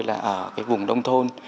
là ở cái vùng đông thôn